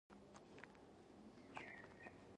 له هغوی سره تعامل اسانه و.